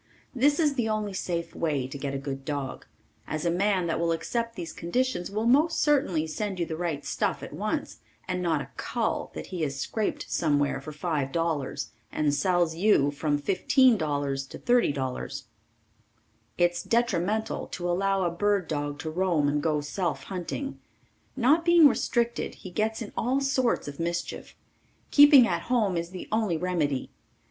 This is the only safe way to get a good dog, as a man that will accept these conditions will most certainly send you the right stuff at once and not a "cull", that he has scraped somewhere for $5.00 and sells you from $15 to $30. It's detrimental to allow a bird dog to roam and go self hunting. Not being restricted he gets in all sorts of mischief. Keeping at home is the only remedy.